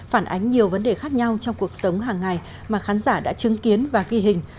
phản ánh nhiều vấn đề khác nhau trong cuộc sống hàng ngày mà khán giả đã chứng kiến và ghi hình